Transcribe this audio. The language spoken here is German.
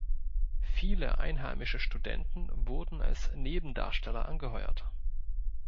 Viele einheimische Studenten wurden als Nebendarsteller angeheuert.